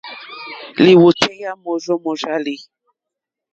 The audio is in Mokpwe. Lìwòtéyá môrzó mòrzàlì.